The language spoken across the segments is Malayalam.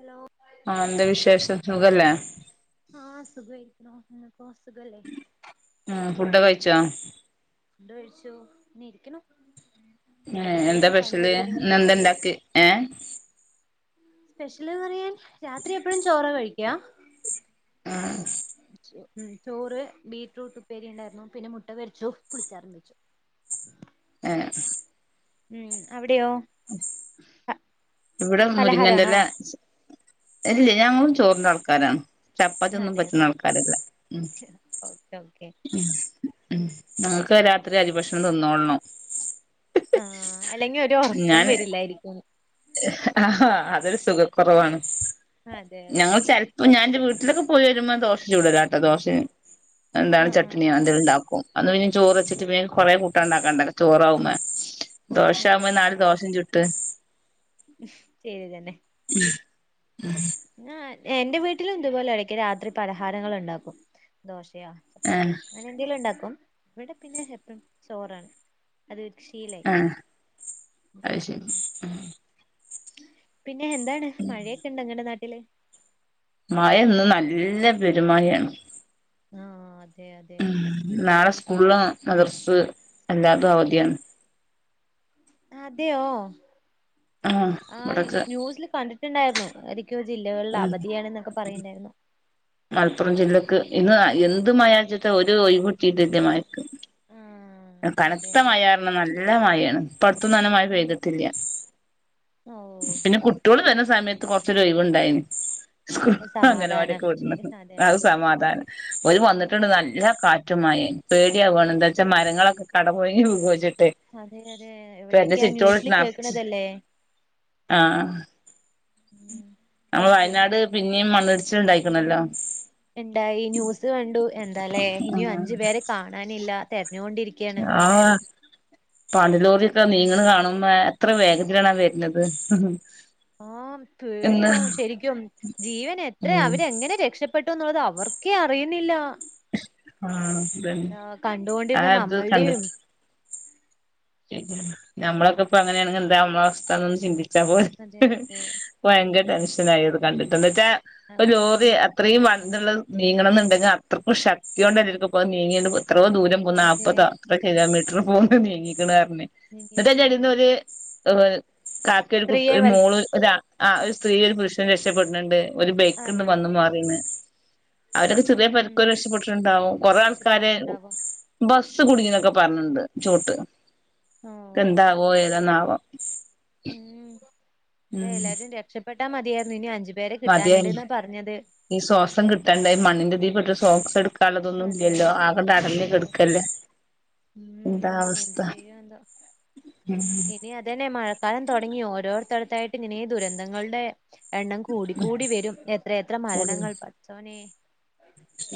ഹലോ ആഹ് എന്ത വിശേഷം സുഖല്ലേ ആഹ് സുഖായിരിക്ക്ണു നിങ്ങക്കേ സുഖല്ലേ ആഹ് ഫുഡ് കഴിച്ചോ? ഫുഡ് കഴിച്ചു ഇനി ഇരിക്കുണു എന്താ സ്പെഷ്യല് ഇന്നന്താണ്ടാക്കി ഏ സ്പെഷ്യല് പറയാൻ രാത്രി എപ്പഴും ചോറ കഴിക്കാ ഉം ചോറ് ബീറ്റ്റൂട്ട് ഉപ്പേരി ഇണ്ടായിരുന്നു പിന്നെ മുട്ട പെരിച്ച പുളിച്ചാറും വെച്ചു ഏ ഉം അവിടയോ ഇവടെ പലഹാരാണോ മുരിങ്ങന്നെല ഇല്ല ഞങ്ങളും ചോറിന്റെ ആൾക്കാരാണ് ചപ്പാത്തിയെന്നും അതെയോ പറ്റുന്ന ആൾക്കാരല്ല ഉം ഓക്കെ ഓക്കെ ഉം ഉം ഞങ്ങക്ക് രാത്രി അരിഭക്ഷണം തിന്നോളണം ആഹ് അല്ലെങ്കി ഒരു ഉറക്കം വരില്ലായിരിക്കും ആഹ് അതൊരു സുഖക്കുറവാണ് അതെ അതെ ഞങ്ങള് ചെൽ ഞാൻ എന്റെ വീട്ടിലൊക്കെ പോയി വരുമ്പോ ദോശ ചൂടലാട്ടോ ദോശിം എന്താണ് ആഹ് ആഹ് ചട്ണിയാ ണ്ടാക്കും അന്ന് പിന്നെ ചോറ് വച്ചിട്ട് പിന്നെ കൊറെ കൂട്ടാണ്ടാക്കണ്ടേ ചോറാവുമേ ദോശ അതെ ആവുമ്പോ നാല് ദോശിം ചുട്ട് ഉം ശരി തന്നെ ഉം ഉം ആഹ് എന്റെ വീട്ടിലും ഇതുപോലെ ഇടക്ക് രാത്രി പലഹാരങ്ങൾ ഉണ്ടാക്കും ദോശയാ ആഹ് ചപ്പാത്തിയോ അങ്ങനെ എന്തെങ്കിലും ഉണ്ടാക്കും ഇവിടെ പിന്നെ എപ്പയും ചോറാണ് അത് ശീലായി ആഹ് അത് ശരി പിന്നെ എന്താണ് മഴയൊക്കെ ഉണ്ടോ ങ്ങടെ നാട്ടില് മഴ ഇന്ന് നല്ല പെരുമഴയാണ് ആഹ് അതെ അതെ നാളെ സ്കൂള് മദ്രസ് എല്ലാതും അവധിയാണ് അതെയോ ആഹ് ആ ഇവിടൊക്കെ ന്യൂസിൽ കണ്ടിട്ട് ണ്ടായിരുന്നു ഏതൊക്കെയോ ജില്ലകളിൽ ഉം അവധിയാണന്നൊക്കെ പറയുന്നുണ്ടായിരുന്നു മലപ്പുറം ജില്ലക്ക് ഇന്ന് എന്ത് മയാച്ച്ട്ട ഒരു ഒഴിവ് കിട്ടീട്ടില്യ മയക്ക് ആഹ് അതെ അതെ കനത്തമഴ പറഞ്ഞ നല്ല മഴയാണ് ഇപ്പട്തന്നും അങ്ങനെ മഴ ഉം പെയ്തിട്ടില്ല ഓഹ് പിന്നെ കുട്യോൾ വരുന്ന സമയത്ത് കുറച് ഒര് ഒയിവ്ണ്ടായിനി സമാധാനം അങ്കണവാടിക്ക് വിട്ണ് ശരി അതെ അത് സമാധാന ഓൽ ഉം വന്നിട്ടുണ്ട് നല്ല കാറ്റും മഴിം പേടിയാവാണ് എന്താച്ചാൽ മരങ്ങളൊക്കെ കടപുഴകി വിഗോച്ചിട്ട് അതെ അതെ എവിടെയൊക്കെയാ ന്യൂസിൽ കേക്കണതല്ലേ ആ ഉം നമ്മളെ വയനാട് ശ്രദ്ധിച്ചു പിന്നിം മണ്ണിടിച്ചിൽണ്ടായിരിക്കണല്ലോ എന്താ ഈ ന്യൂസ് കണ്ടു എന്താലേ ഇനിയും ആഹ് അഞ്ചു പേരെ കാണാനില്ല തെരഞ്ഞുകൊണ്ടിരിക്ക ആഹ് പാണ്ടി ലോറി ഒക്കെ ഉം നിങ്ങ്ണേ കാണുമ്പോ എത്ര വേഗത്തിലാണ വര്ന്നത് ആ പേടിയാവും ശരിക്കും. ജീവൻ എത്രയാ ഉം അവര് എങ്ങനെ രക്ഷപ്പെ ട്ടു എന്നുള്ളത് അവർക്കേ അറിയുന്നില്ല. ആഹ് അതന്നെ ആ കണ്ടോണ്ടിരുന്ന ഇത് നമ്മള്ടേയും, കണ്ടിട്ട് ഞമ്മളൊക്കെ ഇപ്പ അങ്ങനെയാണെങ്കി, എന്താ നമ്മള അവസ്ഥന്നൊന്ന് ചിന്തിച്ചാ പോരെ. അതെ അതെ ഭയങ്കര ടെൻഷൻ ആയി ഇത് കണ്ടിട്ട്, ന്ത് ച്ചാ ഒര് അതെ ലോറി അത്രീം വലുതുള്ള നീങ്ങണം എന്നുണ്ടെങ്കി, അത്രക്കും ശക്തിയോണ്ട് ല്ലാർക്കും ഇപ്പോൾ നീങ്ങിയത് എത്രയോ ദൂരം അതെ നാപ്പതാ അത്ര കിലോമീറ്റർ പോലും നീങ്ങിക്ക്ണ് പറഞ്ഞ്. എന്നിട്ട് അതിൻ്റെ നീങ്ങിയിരിക്കുന്നത് അടീന്ന് ഒരു ഏഹ് കാക്കെ ഒരു കു സ്ത്രീയെ ഒരു വൽ മോള്, ഒരു ആഹ് സ്ത്രീ, ഒരു പുരുഷന് രക്ഷപ്പെടുന്നുണ്ട്. ഒരു ബൈക്ക്ണ്ട് അതെ വന്ന് മറീണ്. അവരൊക്കെ ചെറിയ ഉം പരിക്കോടെ രക്ഷപ്പെട്ടിട്ടുണ്ടാവും. കുറെ ആൾകാര്, രക്ഷപ്പെട്ടിട്ടുണ്ടാകും ബസ്സ് കുടുങ്ങിന്നൊക്കെ പറഞ്ഞ്ണ്ട് ചോട്ട്. ആഹ്. എന്താകുവോ ഏതന്നാവോ? ഉം അതെ ഉം എല്ലാരും രക്ഷപ്പെട്ടാ മതിയായിരുന്നു, ഇനി അഞ്ചു പേരെ മതിയായി കിട്ടാനുണ്ട്ന്നാ പറഞ്ഞത്. ഈ ശോസം കിട്ടണ്ടേ. ഈ മണ്ണിൻ്റെ അടി പെട്ടാൽ ശോസം എടുക്കാ തലതൊന്നും അതെ ഇല്ലല്ലോ ആകെ ഇല്ലല്ലോ ട്ടടഞ്ഞിക്കെടുക്കല്ലേ ഉം എന്ത് ചെയ്യും എന്തോ. ഇനി അതന്നെ മഴക്കാലം തുടങ്ങി ഓരോരുത്തടത്തായിട്ട് ഇനി ദുരന്തങ്ങളുടെ, എണ്ണം കൂടി കൂടി വരും. എത്രയത്ര മരണങ്ങൾ പട്ച്ചോനെ.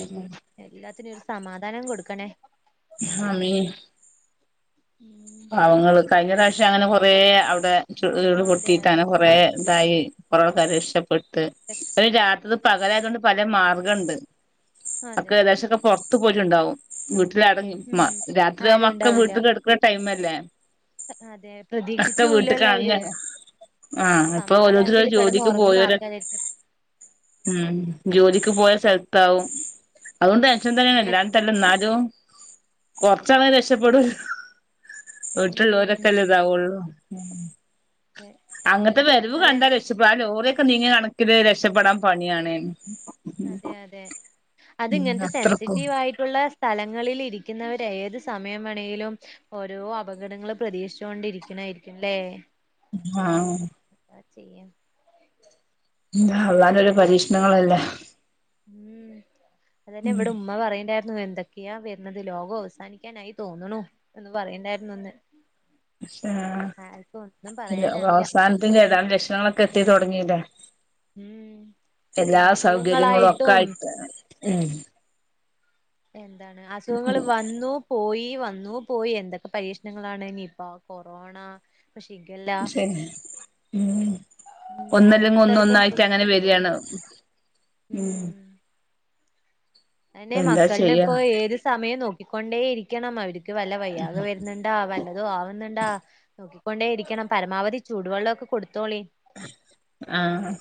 ഉം. എല്ലാത്തിനും ഒരു സമാധാനം കൊടുക്കണേ. ആമീൻ. ഉം. പാവങ്ങള് കഴിഞ്ഞ പ്രാവശ്യം അങ്ങനെ കുറേ അവിടെ ചു ആ അതെ ഉരുൾപൊട്ടിട്ട അതെ അങ്ങനെ കുറേ ഇതായി. കുറെ ആൾക്കാര് രക്ഷപ്പെട്ട്. രക്ഷ രാത്രി ഇത് പകലായത് കൊണ്ട് പല മാർഗ്ഗണ്ട്. ഒക്കെ അതെ ഏകദേശക്കെ പുറത്ത് പോയിട്ടുണ്ടാവും. വീട്ടിലടങ്ങി ഉം മ രാത്രി ആവുമ്പോ ആരും ഒക്കെ ഉണ്ടാവില്ല വീട്ടക്ക് കെടക്കണ ടൈമല്ലേ. അതെ ഒക്കെ പ്രതീക്ഷിക്കൂല്ലല്ലോ അവര്. വീട്ട്ക്കാണ് ആഹ് ഇപ്പൊ ഓരോത്തര് സമാധാനത്തിൽ കിടന്ന് ജോലിക്ക് ഉറങ്ങുന്ന പോയോര്, ആൾക്കാരായിരിക്കും ഉം ജോലിക്ക് പോയ സൽത്താവും. അതും ടെൻഷൻ തന്നെ എല്ലാ ട്ടെല്ലന്നാലും കൊറച്ചാള് രക്ഷപ്പെടു വീട്ട്ൽ ഉം ള്ളോരൊക്കെല്ലേ ഇതാവുള്ളൂ. അതെ അങ്ങൻത്തെ വെരവ് അതെ [unintelligible] ക്ഷേ പ്പാ ലോറിയൊക്കെ നീങ്ങിയെ കണക്കിന് രക്ഷപ്പെടാൻ പണിയാണ്. അതെ അതെ. അത് ഉം ഇങ്ങൻത്തെ അത്രക്കും സെൻസിറ്റീവ് ആയി ട്ടുള്ള സ്ഥലങ്ങളിൽ ഇരിക്ക്ന്നവര് ഏത് സമയം വേണെലും, ഓരോ അപകടങ്ങള് പ്രതീക്ഷിച്ചോണ്ട് ഇരിക്കെണേയിരിക്കും ല്ലേ. ആഹ്. എന്താ ചെയ്യ. ന്താ അള്ളാന്റൊരു അതെ പരീക്ഷ്ണങ്ങളല്ലേ. ഉം അതന്നെ ഇവ്ടെ ഉമ്മ പറയണ്ടെ യ്രുന്നു എന്തൊക്കെയാ വെര്ണത് ലോകം അവസാനിക്കാനായി തോന്ന്ണു എന്ന് പറയണ്ടായിരുന്നു ഇന്ന്. പക്ഷേ ആർക്കും ഒന്നും പറയാനാവില്ല അവസാനത്തേന്റെ എല്ലാ ലക്ഷണങ്ങളൊ ക്കെത്തിത്തൊടങ്ങീല്ലേ ഉം എല്ലാ സൗകര്യങ്ങളും അസുഖങ്ങളായിട്ടും ഒക്കായിട്ട്, ഉം എന്താണ് അസുഖങ്ങള് വന്നു പോയീ വന്നൂ പോയി, എന്തൊക്കെ പരീക്ഷണങ്ങളാണ് നിപ്പ, കൊറോണ ഷിഗല്ല, ഉം [inaudible] ഒന്നല്ലെങ്കി ഒന്ന് ഓരോരുത്തടത്തും ഒന്നായിറ്റങ്ങനെ ഇപ്പണ്ടല്ലോ വെര്യാണ് ഉം. അയെന്നെ എന്താ മക്കൾനെ ചെയ്യാ ഇപ്പോ ഏത് സമയം നോക്കിക്കൊണ്ടേ ഇരിക്കണം. അവര്ക്ക് വല്ല വയ്യായ്ക വെര്ണ് ണ്ടാ വല്ലതും ആവുന്ന്ണ്ടാ, നോക്കിക്കൊണ്ടേ ഇരിക്കണം. പരമാവധി ചൂടുവെള്ളൊക്കെ കൊടുത്തോളി. ആഹ്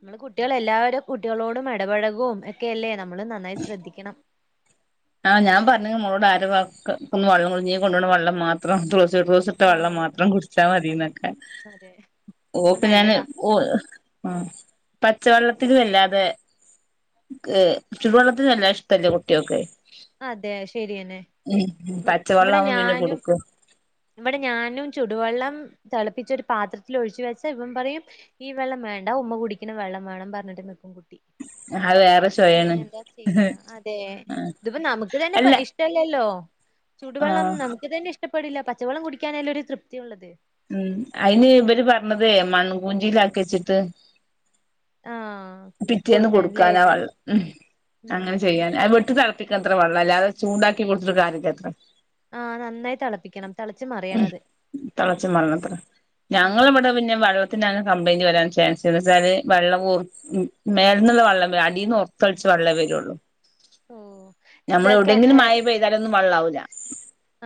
ഇങ്ങൾ കുട്ട്യാൾ എല്ലാവരെ കുട്ട്യാളോടും എടപഴകും -ക്കെല്ലേ നമ്മള് നന്നായി ശ്രദ്ധിക്കണം ആഹ് ഞാൻ പറഞ്ഞ്ണ് മോളോട് ആരെ വാക്കത്തുന്നും വള്ളം നീ കൊണ്ടര്ണെ വള്ളം മാത്രം ക്ലാ [unintelligible] ക്കോസ്ട്ടെ വള്ളം ആഹ് മാത്രം കുടിച്ചാ മതിന്നൊക്കെ അതെ ഓക്ക് ഞാൻ നല്ലതാ ഓൽ ആഹ് പച്ചവെള്ളത്തിലല്ലാതെ -ക് ചുടുവെള്ളത്തിന് വല്ലാതെ ഇഷ്ടല്ല കുട്ട്യോക്ക് അതെ ശരിയെന്നെ മ് പച്ചവെള്ളാവുമ്പോ പിന്നെ കുടിക്കും ഇവടെ ഞാനും ചുടുവെള്ളം തെളപ്പിച്ച് ഒരു പാത്രത്തിൽ ഒഴിച്ച് വെച്ചാ ഇവൻ പറയും ഈ വെള്ളം വേണ്ട ഉമ്മ കുടിക്ക്ണെ വെള്ളം വേണം പറഞ്ഞ്ട്ട് ന്ക്കും കുട്ടി അത് വേറെ ചൊയാണ് നമ്മെന്താ ചെയ്യ അതെ ഇതിപ്പോ നമ്ക്ക് തന്നെ പ്പാ അല്ല ഇഷ് -ട്ടല്ലല്ലോ ചുടുവെള്ളം ആഹ് നമ്ക്ക് തന്നെ ഇഷ്ടപ്പെടില്ല പച്ചവെള്ളം കുടിക്കാനല്ലേ ഒരു തൃപ്തി ഉള്ളത് മ് അയ്ന് ഇവര് പറഞ്ഞത് മൺകൂഞ്ചിലാക്കി വെച്ച്ട്ട് ആഹ് പിറ്റേന്ന് കൊടുക്കാൻല്ലേ കൊടുക്കാനാ വള്ളം മ് അങ്ങനെ ഉം ചെയ്യാൻ [unintelligible] അത് വീട്ട്ത്ത [unintelligible] അത്ര വെള്ളല്ലേ ചൂണ്ടാക്കി കൊട്ത്ത്ട്ട് കാര്യല്ലത്രെ ആഹ് നന്നായി തെളപ്പിക്കണം തെളച്ച് മറിയണത് തെളച്ച് മറിയണത്ര ഞങ്ങള് വടെ പിന്നെ വള്ളത്തിന്റങ്ങനെ കംപ്ലെയിന്റ് വരാൻ ചാൻസില്ല വച്ചാല് വള്ളം മ് മേൽന്ന്ള്ള വള്ളം വരും അടിൽന്ന് ഒറ്ത്തെളിച്ച് വള്ളെ വെരുള്ളൂ ഓ ഞമ്മൾ എന്താ കെ എവുടെങ്കിലും ഏഹ് മയെ പെയ്താലൊന്നും വെള്ളാവൂല്ല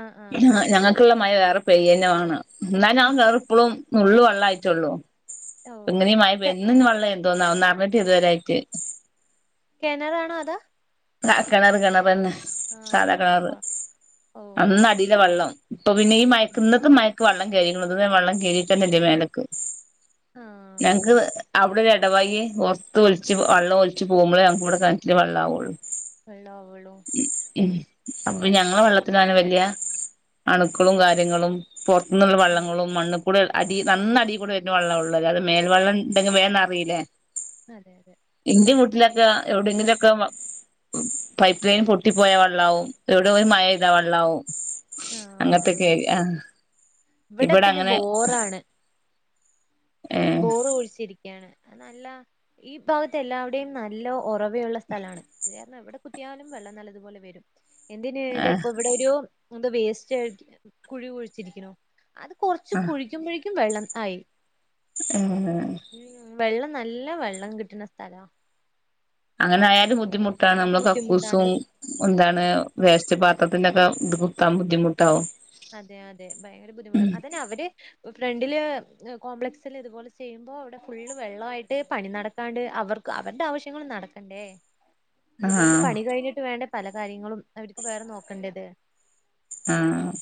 ആഹ് ആഹ് ഹാ ഞങ്ങക്ക്ള്ളെ മയ വേറെ പെയ്യന്നെ വാണം ന്നാ ഞാൻ വേറെ പ്പ്ളും നുള്ള് വള്ളായിറ്റുള്ളൂ ഓ ഇങ്ങനേം മയ പെയ് കെ ന്ന് പിന്നെ വള്ളാ [unintelligible] ഇതുവരായിട്ട് കിണർ ആണോ അതോ കെണറ് കെണറന്നെ സാധാ ആഹ് കെണറ് കൊ ഓ അങ്ങടീലാ വെള്ളം ഇപ്പൊ പിന്നെ ഈ ഉം മയക്ക് ഇന്നത്തെ മയക്ക് വെള്ളം കേറീക്കണത് ഇതുവരെ വെള്ളം കേറീട്ടന്നെയില്ലേ മേലേക്ക് ആഹ് ഞങ്ങക്ക് അവിടൊരു എടവയിയേ മൊത്തം ഒലിച്ച് വെള്ളം ഒലിച്ച് പോവുമ്പഴേ ഞങ്ങക്കിവിടെ കെണറ്റില് വെള്ളാവുവൊള്ളൂ വെള്ളാവുവൊളളൂ ഉം അപ്പൊപിന്നെ ആ വെള്ളത്തിനങ്ങനെ വല്ല്യ അണുക്കളും കാര്യങ്ങളും പൊറത്തൂന്നൊള്ള ആഹ് വെള്ളങ്ങളും മണ്ണും കൂടുതൽ അടി നന്ന അടി കൂടായിട്ടാ വെള്ളവൊള്ളത് അത് മേൽവെള്ളം ഉണ്ടങ്കിൽ വേഗം നിറയിലെ അതെയതെ ഇന്റെ വീട്ടിലൊക്കെ എവിടെങ്കിലൊക്കെ മ പൈപ്പ് ലൈൻ പൊട്ടിപ്പോയ വെള്ളാവും എവിടോലും മഴെയ്താ വെള്ളാവും ആഹ് അങ്ങനത്തൊക്കെ ഏരിയ ആ ഇവിടെ പിന്നെ ബോറാണ് ഉം [inaudible] ബോറ് കുഴിച്ചിരിക്കയാണ് അത് നല്ല ഈ ഭാഗത്ത് എല്ലാവിടെയും നല്ല ഒറവ [unintelligible] സ്ഥലാണ് അത്കാരണം എവിടെ കുത്തിയാലും വെള്ളം നല്ലതുപോലെ വരും എന്തിന് ആ ഇതിപ്പോ ഇവിടൊരു മുമ്പ് വേസ്റ്റ് കുഴി കുഴിച്ചിരിക്കണു അത് കൊറച്ച് ആ കുഴിക്കുമ്പഴേക്കും വെള്ളം ആയി ആഹ് ആഹ് ഉം വെള്ളം നല്ല വെള്ളം കിട്ടിണ സ്ഥലാ അങ്ങനെ ആയാലും ബുദ്ധിമുട്ടാണ് നമ്മള് ബുദ്ധിമുട്ടാണ് കക്കൂസും എന്താണ് അതെ വേസ്റ്റ് പാത്രത്തിന്റൊക്കെ ഇത് കുത്താൻ ബുദ്ധിമുട്ട് അതെയതെ ഭയങ്കര ബുദ്ധിമുട്ടാ അതിന്നവര് ഫ്രണ്ടില് ഏഹ് കോംപ്ലക്സില് ഇതുപോലെ ചെയ്യുമ്പോ അവിടെ ഫുള്ള് വെള്ളായിട്ട് പണി നട ക്കാണ്ട് അവർക്ക് അവരുടെ ആവശ്യങ്ങളും നടക്കണ്ടേ ഇതൊന്ന് ആഹ് പണി കഴിഞ്ഞിട്ട് വേണ്ടേ പല കാര്യങ്ങളും അവരിക്ക് വേറെ നോക്കെണ്ടത് ആഹ്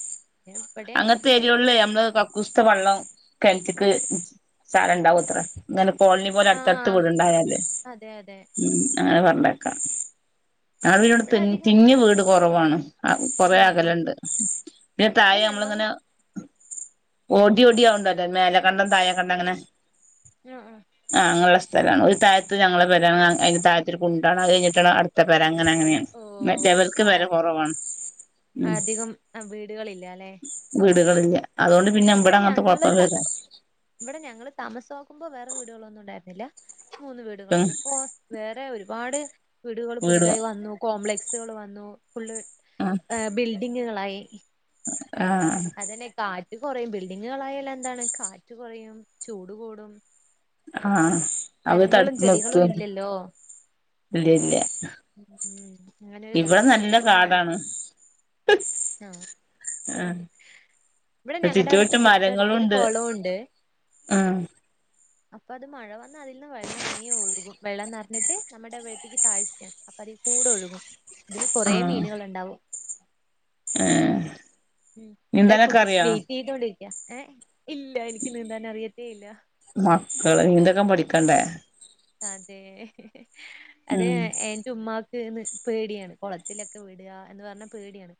ഇവിടെ അങ്ങനത്തെ ഏരിയോകളിലേ വേണം ഞമ്മള് ക കുസ്ത വെള്ളം കെണറ്റിക്ക് ചാടെ ഇണ്ടാവും അത്രെ ഇങ്ങനെ കോളനി പോലെ അടുത്തടുത്ത് ആഹ് വീടുണ്ടായാല് അതെ അതെ ഉം അങ്ങനെ പറഞ്ഞേക്കാം ഞങ്ങടിവിടെ ഇവിടെ അധികം തിങ്ങി വീട് കൊറവാണ് ആഹ് കൊറേ അകലുണ്ട് പിന്നെ ഇവിടെ തായെ ഞങ്ങളും നമ്മളിങ്ങനെ ഓടി ഓടി ആവൊണ്ടല്ലോ മേലെ കണ്ടം താഴെ കണ്ടം അങ്ങനെ ആ ആ ആഹ് അങ്ങനൊള്ള സ്ഥലാണ് ഒരു താഴത്ത് ഞങ്ങളടെ പെരാണ് അതിന്റെ താഴത്തൊരു കുണ്ടാണ് അത് കഴിഞ്ഞിട്ടാണ് അടുത്ത പെര അങ്ങനെ അങ്ങനെയാ ഓഹ് മറ്റവർക്ക് പെര ആഹ് കൊറവാണ് ഉം അ വീടുകളില്ലാ വീടുകളില്ല്യ അതുകൊണ്ട് പിന്നെ ഇവിടെ അങ്ങനത്തെ ഞങ്ങള് കൊഴപ്പം ത വര്വാ ഇവിടെ ഞങ്ങള് താമസാക്കുമ്പോ വേറെ വീടുകളൊന്നും ഉണ്ടായിരുന്നില്ല മൂന്ന് ഉം വീടുകളാണ് ഇപ്പോ വേറെ ഒരുപാട് വീടുകൾ വീട് പുതുതായി വന്നു കോംപ്ലക്സുകൾ വന്നു ഫുള്ള് ഏഹ് ബിൽഡിങ്ങുകളായി ആഹ് അതന്നെ കാറ്റ് കൊറയും ബിൽഡിങ്ങുകളായാല് എന്താണ് കാറ്റ് കൊറയും ചൂട് കൂടും ആഹ് അവര് മരങ്ങളും തടുത്ത് ചെടികളും നിർത്തും ഇല്ലല്ലോ ഇല്ലില്ല്യ ഉം അങ്ങനൊരിതാണ് ഇവിടെ നല്ല ഇനിയിപ്പോ മഴ കാടാണ് ആഹ് ആ ഇവിടെ ഞങ്ങടടുത്ത് ചുറ്റുവട്ടം തൊട്ടടുത്തൊരു കൊളവുണ്ട് ആഹ് അപ്പൊ അത് മഴ വന്നാ അതിൽന്ന് വെള്ളം ഇങ്ങനേ ഒഴുകും വെള്ളം നെറഞ്ഞിട്ട് നമ്മുടെ അവിടത്തേക്ക് താഴ്ചയാണ് അപ്പ അതീൽ കൂടെ ഒഴുകും അതില് ആ കുറേ മീനുകളൊണ്ടാവും ഏ ഉം ഇവിടെ നീന്താനൊക്കെ കുട്ടി അറിയോ വെയിറ്റ് ചെയ്തോണ്ടിരിക്ക്യാ ഏഹ് ഇല്ല എനിക്ക് നീന്താൻ അറിയത്തേ ഇല്ല മക്കള് നീന്തൊക്കെ പഠിക്കണ്ടേ അതെ അതെ ഉം എന്റെ ഉമ്മാക്ക്ന്ന് പേടിയാണ് കുളത്തിലൊക്കെ വിടുക എന്ന് പറഞ്ഞ പേടിയാണ്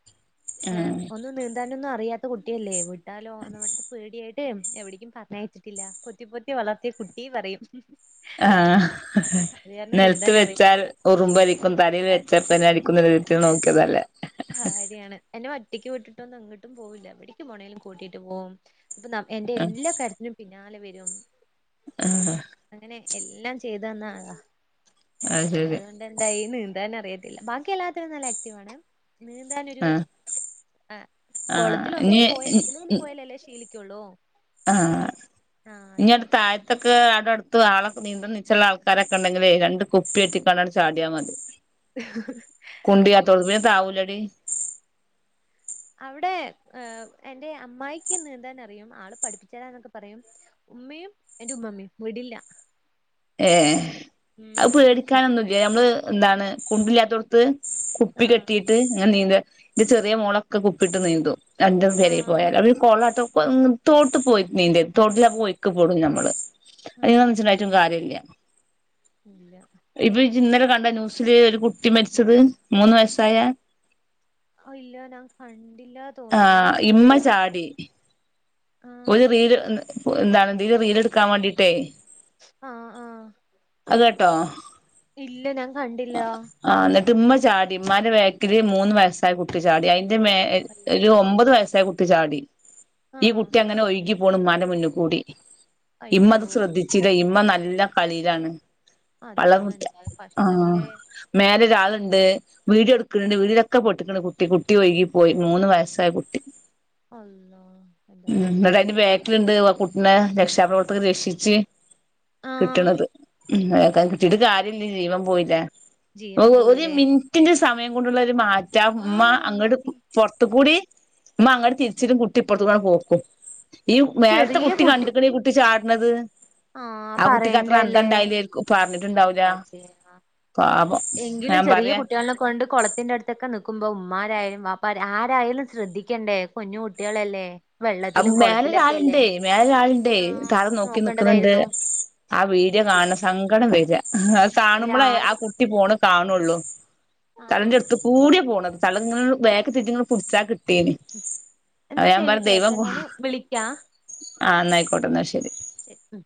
ആ ഒന്ന് നീന്താനൊന്നും അറിയാത്ത കുട്ടിയല്ലേ വീട്ടാലോ അ പേടിയായിട്ട് എവിടേക്കും പറഞ്ഞ വെച്ചിട്ടില്ല പൊത്തി പൊത്തി വളർത്തിയ കുട്ടീ പറയും ആഹ് അത് കാരണം നിലത്ത് നീന്താൻ വെച്ചാൽ അറിയത്തില്ല ഉറുമ്പ് അരിക്കും തലയിൽ അതെ വെച്ചാൽ പന്നെ അരിക്കുംന്ന രീതിട്ടൽ നോക്കിയതല്ലേ ഭാര്യാണ് എന്നെ ഒറ്റിക്ക് വിട്ടിട്ട്ന്നും എ ങ്ങോട്ടും പോകൂല്ല എവിടേും പോണേലും കൂട്ടയിട്ട് പോകും അപ്പൊ എൻ്റെ ആഹ് എല്ലാ കാര്യത്തിനും പിന്നാലെ വരും ആഹ അങ്ങനെ എല്ലാം ചെയ്ത് തന്ന ആളാ അതതെ അതുകൊണ്ട് എന്തായി നീന്താ അറിയത്തില്ല ബാക്കി എല്ലാത്തിനും നല്ല ആക്റ്റീവ് ആണ് നീന്താനരു ആഹ് ആ ആഹ് കുളത്തിൽ ഒന്ന ഇനി പോയാ എന്ലും പോയാല അല്ലേ ശീല ളോ ആഹ ഞട് താഴേ ഇതൊക്കെ അടെ അടുത്ത് ആളേ നിതൽ നിച്ച ഉള്ള ആൾക്കാരൊക്കെ ഉണ്ടെങ്ക രണ്ട് കുപ്പിെട്ടി കണ്ടാ ചാടിയാൻ മതി [unintelligible] ഹ് ഹ് കുണ്ട് ഇല്ലത്തോണ്ട് വേം താവൂ ലേഡി അവിടെ എൻറെ അമ്മായിക്ക് നീന്താൻ അറിയും ആള് പഠിപ്പിച്ചരാ എന്നൊക്കെ പറയും ഉമ്മയും എന്റെ ഉമ്മമ്മയും വിടില്ല ഏ അത് പേടിക്കാനൊന്നും നമ്മള് എന്താണ് കുണ്ട് ല്ലാത്തോടത്ത് കുപ്പി ആഹ് കെട്ടിയിട്ട് ഞാൻ നീന്ത ഇന്റെ ചെറിയ മോളൊക്കെ കുപ്പിട്ട് നീന്തു രണ്ടും വെരി ആഹ് പോയാല അവര് കൊള്ളാട്ടോ ഇപ്പം, തോട്ട് പോയി നീ തോട്ടില പോയിക്കക്ക് പോടുംഞമ്മള് അത് ആഹ് മെച്ചായിട്ടും കാര്യ [inaudible] ഇല്ല ഇപ്പ ഇന്നലെ കണ്ട ന്യൂസില് ഒരു കുട്ടി മരിച്ചത് മൂന്ന് വയസ്സായ- ഇല്ല ഞാൻ കണ്ടില്ല തോന്നുന്നു ആഹ് എന്ത് ഇമ്മ പറ്റിയതാ ചാടി ആഹ് ഒരു റീൽ എന്താണ്ന്തല് റീൽ എടുക്കാൻ വേണ്ടീട്ടേ ആഹ ആഹ അത കേട്ടോ ഇല്ല ഞാൻ കണ്ടില്ല ആഹ എന്നിട്ട് ഇമ്മ ചാടി ഉ്മാന്റെ ബേക്കില് മൂന്ന് വയസ്സായ കുട്ടി ചാടി അയിന്റെ മേ ഒരു അയ്യോ ഒമ്പത് വയസ്സായ കുട്ടി ചാടി ഈ ആഹ് കുട്ടി അങ്ങനെ ഒ ഇ പോണം മല മുന്ന കൂടി ഇമ്മത് അയ്യോ ശ്രദ്ധിച്ചില്ല ഇമ്മ നല്ല കളിയിലാണ് അതോ എന്തായാലും കഷ്ടംല്ലേ മേലൊരാളുണ്ട് വീട് എടുക്കണ്ട് വീടിലൊക്കെ പൊട്ടിക്കണ്ട് പൊട്ടി പൊട്ടി വൈകി പോയി മൂന്ന് വയസായ കുട്ടി അഹ് ഉ എന്നിട്ട് അതിന്റെ ബേക്കിലിണ്ട് ആ കുട്ടിയെ രക്ഷാപ്രവർത്തകർ രക്ഷിച്ച് ആഹ് കിട്ടണത് അതക്ക കിട്ടീട്ട് കാര്യല്ല ജീവൻ പോയില്ലേ ജീവൻ ഒരു പോയില്ലേ മിനിറ്റിന്റെ സമയം കൊണ്ടുള്ള ഒരു മാറ്റ റ്റ ആ ഉമ്മ ആഹ് അങ്ങോട്ട് മതി പുറത്ത കൂടി ഉമ്മ അങ്ങട്ട തിരിച്ചിട്ടും കുട്ടി ഇപ്പറതുകൂടി പോകും ഈ മേലത്തെ കുട്ടി കണ്ടക്കണ ഈ കുട്ടി ചാടണത് ആഹ് ആ കുട്ടിക്ക് അത്ര അന്തണ്ടായില പറഞ്ഞ എന്താച്ച എങ്കിലും ഞാൻ ചെറിയ പറയാ കുട്ടികളിക്കെ കൊണ്ട് കുളത്തിന്റെ അടുത്തൊക്കെ നിക്കുമ്പോ ഉമ്രായാലും പപ്പ ആരായാലും ശ്രദ്ധിക്കേണ്ടേ കുഞ്ഞു കുട്ടികളല്ലേ അ വെള്ളത്തിലും കുളത്തിലൊക്കെയല്ലേ മേലരാളിണ്ടേ മേലരാളിണ്ടേ തറ് ആഹ് നോക്കി നിക്കുന്നുണ്ട് നോക്കേണ്ടതായിരുന്നു ആ വീഡിയോ ചു, കാണണ സങ്കടം വരി അത് കാണുമ്പോളേ ആ അവരാരും കുട്ടി പോണ കാണുള്ളു തലന്റെ ആഹ് എട്ത്ത്കൂടിയ പോണത് തലങ്ങനെ ബേക്ക് തെറ്റി പുടിച്ചാ കിട്ടും എന്നാ ദൈവം ശരിട്ടോത്ത ഞാന് വിളിക്കാം ആ എന്നായിക്കോട്ടെ എന്നാ ശരി ശരി ഉം